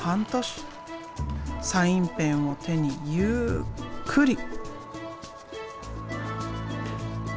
サインペンを手にゆっくり。